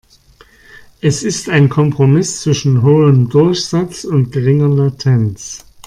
Es ist ein Kompromiss zwischen hohem Durchsatz und geringer Latenz.